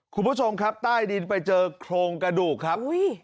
คุณผู้ชมครับใต้ดินไปเจอโครงกระดูกครับ